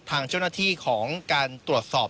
ทางเจ้าหน้าที่ของการตรวจสอบ